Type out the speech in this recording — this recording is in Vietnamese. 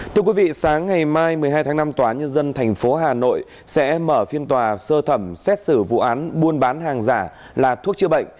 thưa quý vị sáng ngày mai một mươi hai tháng năm tòa nhân dân tp hà nội sẽ mở phiên tòa sơ thẩm xét xử vụ án buôn bán hàng giả là thuốc chữa bệnh